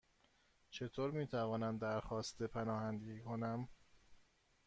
چطور می توانم درخواست پناهندگی کنم؟